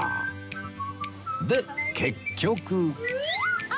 で結局